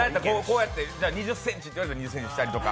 ２０ｃｍって言われたら、２０ｃｍにしたりとか。